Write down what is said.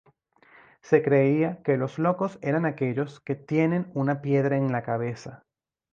Se creía que los locos eran aquellos que tienen una piedra en la cabeza.